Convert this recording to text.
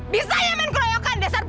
bisa ya men keroyokan deser